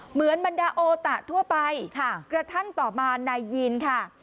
เหมือนบรรดาโอตะทั่วไปกระทั่งต่อมานายยีนค่ะ